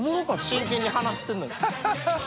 真剣に話してるのに。